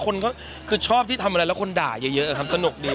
คนก็คือชอบที่ทำอะไรแล้วคนด่าเยอะครับสนุกดี